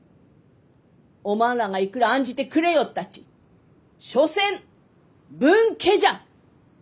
おまんらがいくら案じてくれよったち所詮分家じゃ！